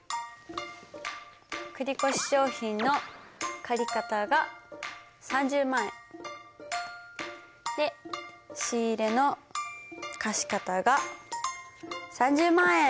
繰越商品の借方が３０万円で仕入の貸方が３０万円。